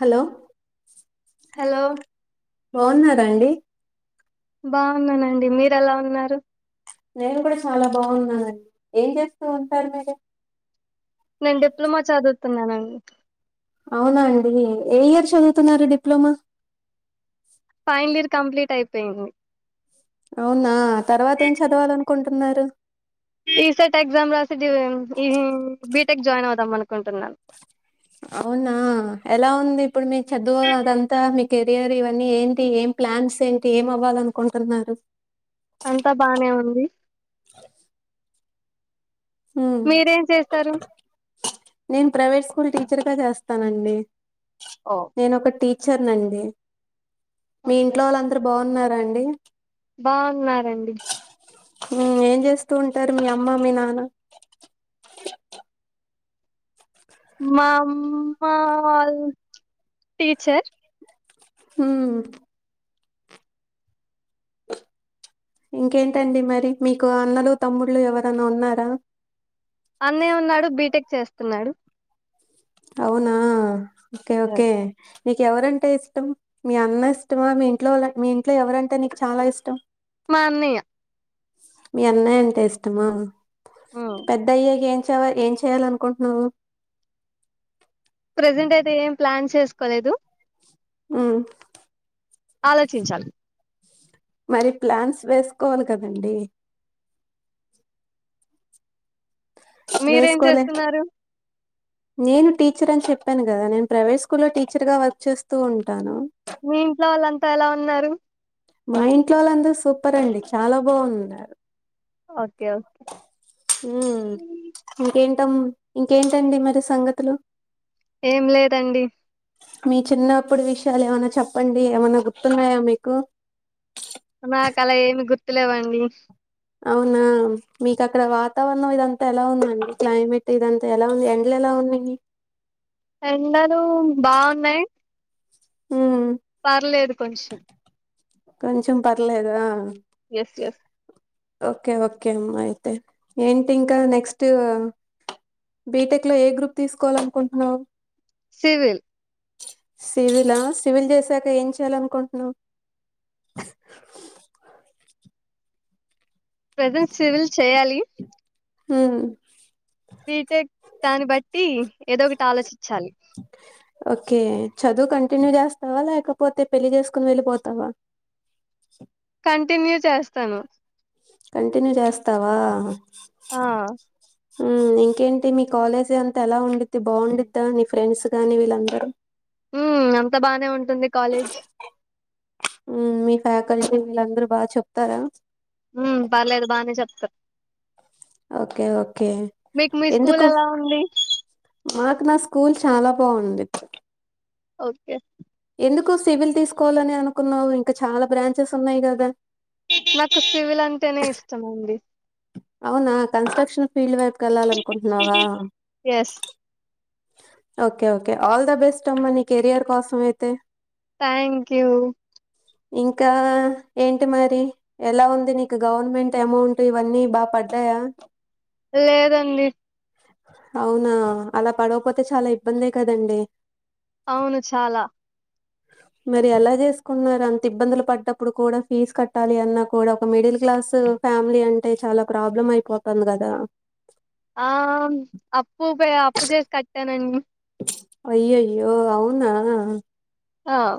Hello hello బాగున్నారా అండి బాగున్నానండి మీరు ఎలా ఉన్నారు నేను కూడా చాలా బాగున్నానండి ఏం చేస్తూ ఉంటారు మీరు నేను డిప్లొమా చదువుతున్నానండి అవునా అండి ఏ ఇయర్ చదువుతున్నారు డిప్లమా ఫైనల్ ఇయర్ కంప్లీట్ అయిపోయింది అవునా తర్వాత ఏం చదవాలనుకుంటున్నారు ఈసెట్ ఎగ్జామ్ రాసి ది ఈ బీటెక్ జాయిన్ అవుదాం అనుకుంటున్నాను అవునా ఎలా ఉంది ఇప్పుడు మీ చదువు అదంతా మీ కెరియర్ ఇవన్నీ ఏంటి ఏం ప్లాన్స్ ఏంటి ఏం అవ్వాలనుకుంటున్నారు అంతా బానే ఉంది హ్మ్ మీరేం చేస్తారు నేను ప్రైవేట్ స్కూల్ టీచర్ గా చేస్తానండి ఓ నేను ఒక టీచర్నండి మీ ఓకే ఇంట్లో వాళ్ళందరు బాగున్నారా అండి బావున్నారండి హ్మ్ ఏం చేస్తూ ఉంటారు మీ అమ్మ మీ నాన్న మా అమ్మ టీచర్ హ్మ్ ఇంకేంటండి మరి మీకు అన్నలు తమ్ముళ్లు ఎవరన్నా ఉన్నారా అన్నయ్య ఉన్నాడు బీటెక్ చేస్తున్నాడు అవునా ఓకే ఓకే నీకు ఎవరంటే ఇష్టం మీ అన్న ఇష్టమా మీ ఇంట్లో వాళ్ మీ ఇంట్లో ఎవరంటే నీకు చాలా ఇష్టం మా అన్నయ్య మీ అన్నయ్య అంటే ఇష్టమా పెద్ద అయ్యాక ఏం వచ్చావ ఏం చేయాల అనుకుంటున్నావు ప్రజెంట్ అయితే ఏం ప్లాన్ చేసుకోలేదు హ్మ్ ఆలోచించాలి మరి ప్లాన్స్ వేసుకోవాలి కదండీ మీరేం వేసుకోలే చేస్తున్నారు నేను టీచర్ అని చెప్పాను కదా నేను ప్రైవేట్ స్కూల్లో టీచర్ గా వర్క్ చేస్తూ ఉంటాను మీ ఇంట్లో వాళ్ళంతా ఎలా ఉన్నారు మా ఇంట్లోలందరూ సూపర్ అండి చాలా బావున్నారు ఓకే హ్మ్ ఇంకే తం ఇంకేంటండి మరి సంగతులు ఏం లేదండి మీ చిన్నప్పుడు విషయాలు ఏమన్నా చెప్పండి ఏమన్నా గుర్తున్నాయా మీకు నాకు అలా ఏమి గుర్తులేవండి అవునా మీకు అక్కడ వాతావరణం ఇదంతా ఎలా ఉందండి క్లైమేట్ ఇదంతా ఎలా ఉంది ఎండలు ఎలా అవునని ఎండలు బాగున్నాయి ఉమ్ పర్లేదు కొంచెం కొంచెం పర్లేదా ఎస్ ఎస్ ఓకే ఓకే అమ్మా అయితే ఏంటి ఇంకా నెక్స్ట్ బీటెక్ లో ఏ గ్రూప్ తీసుకోవాలనుకుంటున్నావు సివిల్ సివిలా సివిల్ చేసాక ఏం చేయాలి అనుకుంటున్నావు ప్రజెంట్ సివిల్ చేయాలి ఊమ్మ్ బీటెక్ దాన్ని బట్టి ఏదో ఒకటి ఆలోచించాలి ఓకే చదువు కంటిన్యూ చేస్తావా లేకపోతే పెళ్ళి చేసుకుని వెళ్ళిపోతావా కంటిన్యూ చేస్తాను కంటిన్యూ చేస్తావా ఆ ఇంకేంటి మీ కాలేజీ అంతా ఎలా ఉండిది బాగుంద్దా నీ ఫ్రెండ్స్ గాని వీళ్ళందరూ ఉమ్ అంత బాగానే ఉంటుంది కాలేజ్ మీ ఫ్యాకల్టీ వీళ్ళందరూ బాగా చెప్తారా ఉ పర్లేదు బాగానే చెప్తారు ఓకే ఓకే మీకు మీ స్కూల్ ఎందుకు ఎలా ఉంది మాకు నా స్కూల్ చాలా బావుంది ఓకే ఎందుకు సివిల్ తీసుకోవాలని అనుకున్నావు ఇంకా చాలా బ్రాంచెస్ ఉన్నాయి కదా నాకు సివిల్ అంటేనే ఇష్టం ఉంది అవునా కన్స్ట్రక్షన్ ఫీల్డ్ వైపుకు వెళ్ళాల అనుకుంటున్నావా yes okay okay all the best అమ్మ నీ కెరియర్ కోసం అయితే థ్యాంక్ యూ ఇంకా ఏంటి మరి ఎలా ఉంది నీకు గవర్నమెంట్ అమౌంట్ ఇవన్నీ బాగా పడ్ యా లేదండి అవునా అలా పడవపోతే చాలా ఇబ్బందే కదండి అవును చాలా మరి ఎలా చేసుకున్నారు అంత ఇబ్బందులు పడ్డప్పుడు కూడా ఫీజు కట్టాలి అన్నా కూడా ఒక మిడిల్ క్లాస్ ఫ్యామిలీ అంటే చాలా ప్రాబ్లం అయిపోతుంది కదా ఆ అప్పు అప్పు చేసి కట్టానండి అయ్యయ్యో అవునా ఆ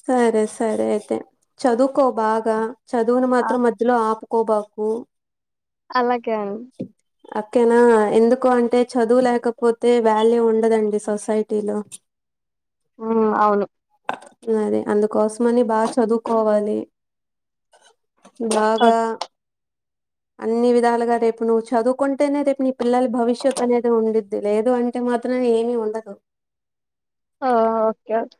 సరే సరే అయితే చదువుకో బాగా చదువును ఆ! మాత్రం మధలో ఆపకు కోబకు అలాగే అండి అక్కేనా ఎందుకు అంటే చదువు లేకపోతే వాల్యూ ఉండదండి సొసైటీలో ఉ అవును అరే అందుకోసమని బాగా చదువుకోవాలి బాగా ఓకే. అన్ని విధాలుగా రేపు నువ్వు చదువుకుంటేనే రేపు నీ పిల్లల భవిష్యత్ అనేది ఉండిద్ది లేదు అంటే మాత్రం ఏమి ఉండదు ఆ ఓకే ఓకే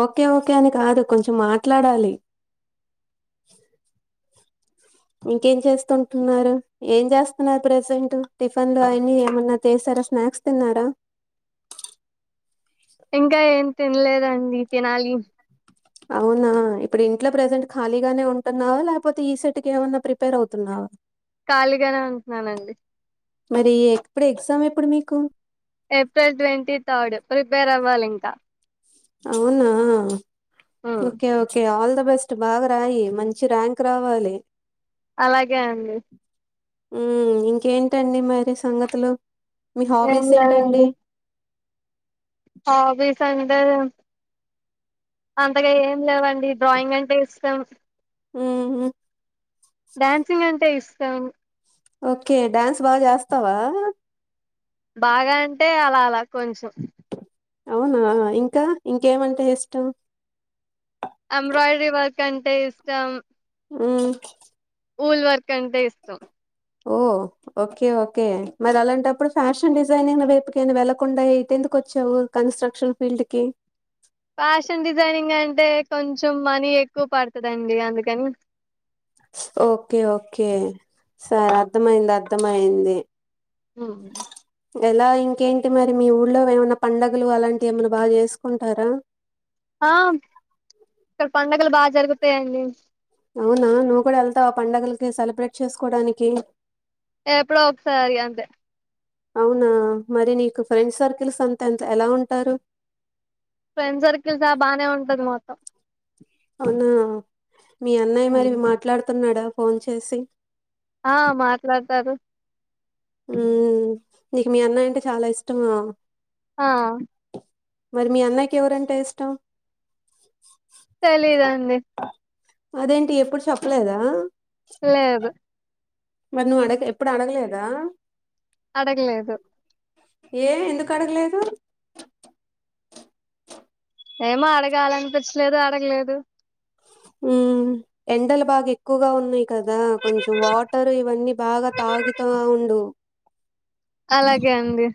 ఓకే ఓకే అని కాదు కొంచెం మాట్లాడాలి ఇంకేం చేస్తుంటున్నారు ఏం జాస్తున్నారు ప్రెసెంట్ టిఫన్ లో అయిన్ని ఏమన్నా తి ఏసారా స్నాక్స్ తిన్నారా ఇంకా ఏం తిన్నేదండి తినాలి అవునా ఇప్పుడు ఇంట్లో ప్రజెంట్ ఖాళీగానే ఉంటున్నావా లేకపోతే ఈ సెట్ కేమన్నా ప్రిపేర్ అవుతున్నావా ఖాళీగానే ఉంటున్నానండి మరి ఎప్పుడు ఎగ్జామ్ ఎప్పుడు మీకు ఏప్రిల్ ట్వంటీ థర్డ్ ప్రిపేర్ అవ్వాలి ఇంక అవునా మ్మ్ okay okay all the best బాగా రాయి మంచి ర్యాంక్ రావాలి అలాగే అండి ఊ ఇంకేంటండి మరి సంగతులు మీ ఏం హాబీస్ ఏంటండి హాబీసంటే అంతగా ఏం లేవండి డ్రాయింగ్ అంటే ఇష్టం ఊహు డ్యాన్సింగ్ అంటే ఇష్టం ఓకే డ్యాన్స్ బాగా జేస్తావా బాగా అంటే అలా అలా కొంచెం అవునా ఇంకా ఇంకేమంటే ఇష్టం అంబ్రాయిడి వర్క్ అంటే ఇష్టం ఊ ఊల్ వర్క్ అంటే ఇష్టం ఓ ఓకే ఓకే మరి అలాంటప్పుడు ఫ్యాషన్ డిజైనింగ్ వైపుకేనా వెళ్ళలకుండా ఇటెందుకు కొచ్చావు కన్స్ట్రక్షన్ ఫీల్డ్ కి ఫ్యాషన్ డిజైనింగ్ అంటే కొంచెం మనీ ఎక్కువ పడతదండి అందుకని ఓకే ఓకే సరే అర్దమైయింది అర్దమైయింది ఆ ఎలా ఇంకేంటి మరి మీ ఊళ్ళో ఏమన్నా పండగలు అలాంటివి ఏమైనా బాగా ఏసుకుంటారా ఆ ఇక్కడ పడుగలు బాగా జరుగుతాయండి అవునా నువ్వు కూడా వెళ్తావా పండుగలకి సెలబ్రేట్ చేసుకోడానికి ఎప్పుడో ఒకసారి అంతే అవునా మరి నీకు ఫ్రెండ్ సర్కిల్స్ అంతా ఎంత ఎలా ఉంటారు ఫ్రెండ్ సర్కిల్సా బానే ఉంటారు మాతో అవునా మీ అన్నయ్య మరి హ్మ్. మాట్లాడుతున్నాడా ఫోన్ చేసి ఆ మాట్లాడతారు ఊ నీకు మీ అన్నయ్య అంటే చాలా ఇష్టమా హ ఆ మరి మీ అన్నయకి ఎవరంటే ఇష్టం తెలిదండి అదేంటి ఎప్పుడు చొప్పలేదా లేదు మరి నువ్వు అడగ ఎప్పుడు అడగలేదా అడగలేదు ఏ ఎందుకు అడగలేదు ఏమో అడగాలనిపించలేదు అడగలేదు ఊ ఎండలు బాగా ఎక్కువగా ఉన్నాయ్ కదా కొంచెం వాటరు ఇవన్నీ బాగా తాగితా ఉండు అలాగే అండి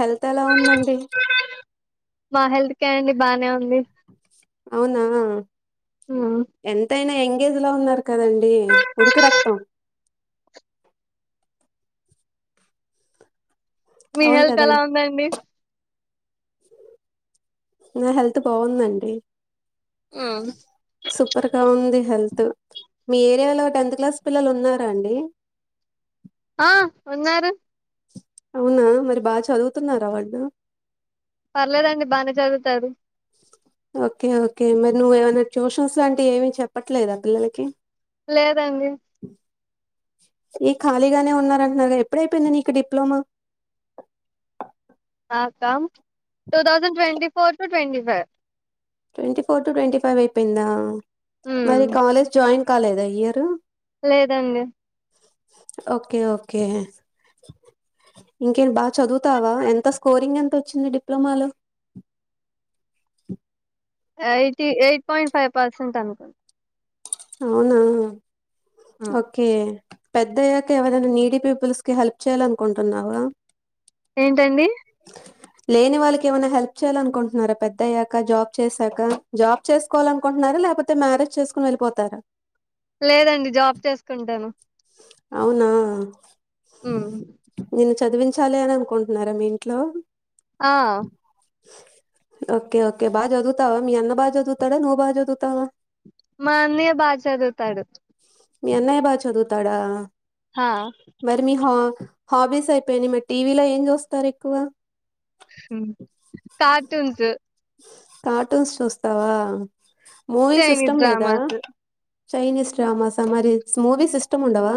హెల్త్ ఎలా ఉందండి మా హెల్త్ కే అండి బానే ఉంది అవునా హ్మ్. ఎంతైనా ఎంగేజ్ లో ఉన్నారు కదండి ఉడుకు రక్తం మీ అవును హెల్త్ ఎలా కదండి ఉందండి నా హెల్త్ బాగుందండి హ్మ్. సూపర్ గా ఉంది హెల్త్ మీ ఏరియాలో టెన్త్ క్లాస్ పిల్లలు ఉన్నారా అండి ఆ ఉన్నారు అవునా మరి బాగా చదువుతున్నారా వాళ్లు పర్లేదండి బానే చదువుతారు ఓకే ఓకే మరి నువ్వు ఏమైనా ట్యూషన్స్ లాంటివి ఏమీ చెప్పట్లేదా పిల్లలకి లేదండి ఈ ఖాళీగానే ఉన్నారంటున్నారు గా ఎప్పుడైపోయింది నీకు డిప్లమా ఆ నాకా two thousand twenty four to twenty five twenty four to twenty five అయిపోయిందా హ్మ్ మరి కాలేజ్ జాయిన్ కాలేదా ఈ ఇయరు లేదండి ఓకే ఓకే ఇంకే బాగా చదువుతావా ఎంత స్కోరింగ్ ఎంత వచ్చింది డిప్లొమాలో eighty eight point five percent అనుకోం అవునా హ్మ్ ఓకే పెద్దయ్యాక ఎవరైనా నీడీ పీపుల్స్ కి హెల్ప్ చేయాలనుకుంటున్నావా ఏంటండి లేని వాళ్ళకి ఏమైనా హెల్ప్ చేయాల అనుకుంటున్నారా పెద్ద అయ్యాక జాబ్ చేసాక జాబ్ చేసుకోవాలినుకుంటున్నారా లే లేకపోతే మ్యారేజ్ చేసుకుని వెళ్ళిపోతారా లేదండి జాబ్ చేసుకుంటాను అవునా ఉమ్ నిన్ను చదివించాలి అని అనుకుంటున్నారా మీ ఇంట్లో ఆ ఓకే ఓకే బా చదువుతావా మీ అన్న బా చదువుతాడా నువ్వు బా చదువుతావా మా అన్నయ బాగా చదువుతాడు మీ అన్నయ్య బాగా చదువుతాడా హా మరి మీ హో హాబీస్ అయిపోయినై మరి టీవీలో ఏం చూస్తారు ఎక్కువ కార్టూన్స్ కార్టూన్స్ చూస్తావా మూవీస్ చైనీస్ ఇష్టం లేదా డ్రామాస్ చైనీస్ డ్రామాసా మరి మూవిస్ ఇష్టం ఉండవా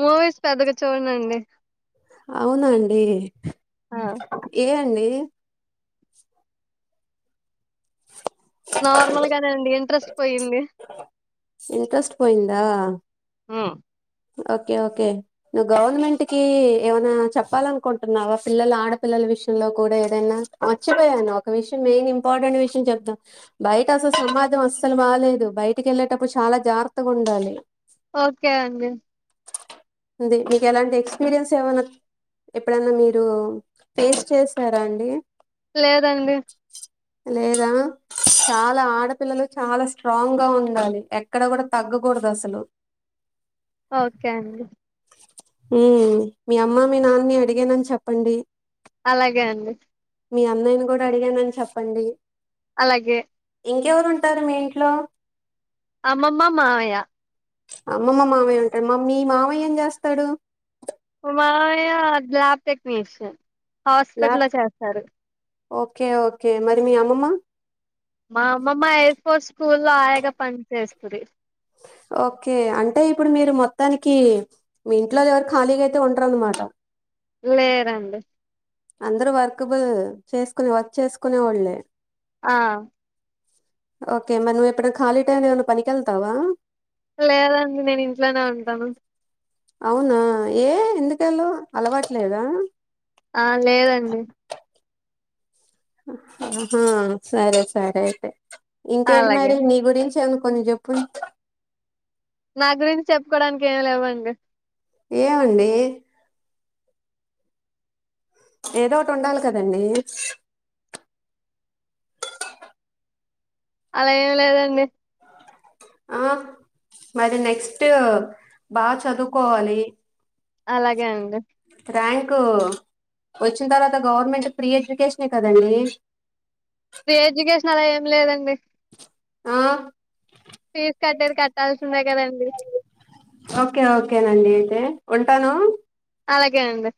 మూవీస్ పెద్దగా చూడనండి అవునాండి ఆ ఏ అండి నార్మల్ గానే అండి ఇంట్రెస్ట్ పోయింది ఇంంట్రెస్ట్ పోయిందా ఉమ్ ఓకే ఓకే నువ్వు గవర్నమెంట్ కి ఏమైనా చెప్పాలనుకుంటున్నావా పిల్లలు ఆడపిల్లలు విషయంలో కూడా ఏదైనా మర్చిపోయాను ఒక విషయం మెయిన్ ఇంపార్టెంట్ విషయం చెప్దాం బయట అసల్ స మాజం అస్సలు బాలేదు బయటికి వెళ్ళేటప్పుడు చాలా జాగ్రత్తగా ఉండాలి ఓకే అండి ది మీకు ఎలాంటి ఎక్స్పీరియన్స్ ఏమైనా ఎప్పుడన్నా మీరు ఫేస్ చేసారా అండి లేదండి లేదా చాలా ఆడపిల్లలు చాలా స్ట్రాంగ్ గా ఉండాలి ఎక్కడ కూడా తగ్గకూడదు అసలు ఓకే అండి ఊమ్ మీ అమ్మ, మీ నాన్ని, అడిగానని చెప్పండి. అలాగే అండి మీ అన్నయని గూడా అడిగానని చెప్పండి. అలాగే ఇంకెవరు ఉంటారు మీ ఇంట్లో అమ్మమ్మ మావయ్య అమ్మమ్మ, మావయ్య ఉంటా. మ మీ మావయ్య ఏం చేస్తాడు. మామయ్య ల్యాబ్ టెక్నీషియన్ హాస్పిటలో ల్యాప్ చేస్తారు. ఓకే ఓకే మరి మీ అమ్మమ్మ మా అమ్మమ్మ ఎయిర్ ఫోర్ స్కూల్లో ఆయాగా పని చేేస్తది. ఓకే అంటే ఇప్పుడు మీరు మొత్తానికీ మీ ఇంట్లోల్ ఎవరు ఖాళీగా అయితే ఉంటరన్నమాట. లేరండి అందరూ వర్కబుల్ చేసుకుని వర్క్ చేసుకునే వాళ్ళే ఆ ఓకే మరి నువ్ ఎప్పుడన్ ఖాళీ టైం ఏమన్న పనికి ఎళ్తావా. లేదండి నేను ఇంట్లోనే ఉంటాను అవునా యే ఎందుకెళ్ళవ్ అలవాట్లేదా ఆ లేదండి అహహా సరే సరే అయితే ఇంకేంటి అలాగే మరి నీ గురించను కొని జెప్పుల్ నా గురించి చెప్పుకోవడానికి ఏమి లేవండి ఏమండీ ఏదో ఓటి ఉండాలి కదండీ అలా ఏం లేదండి ఆ మరి నెక్స్ట్ బాగ్ చదువుకోవాలి అలాగే అండి ర్యాంకు వచ్చిన తర్వాత గవర్నమెంట్ ఫ్రీ ఎడ్యుకేషనే కదండి ఫ్రీ ఎడ్యుకేషన్ అలా ఏం లేదండి ఆ ఫీజు కట్టేది కట్టాల్సిందే కదండి ఓకే ఓకేనండి అయితే ఉంటాను అలాగే అండి